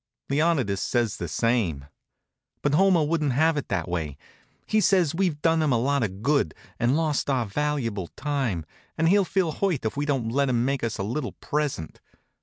Leonidas says the same. But Homer wouldn't have it that way. He says we've done him a lot of good, and lost our valuable time, and he'll feel hurt if we don't let him make us a little present.